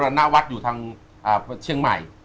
ณวัดอยู่ทางเชียงใหม่